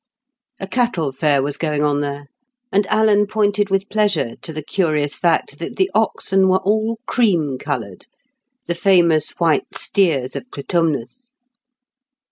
A cattle fair was going on there; and Alan pointed with pleasure to the curious fact that the oxen were all cream coloured—the famous white steers of Clitumnus.